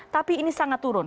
tapi ini sangat turun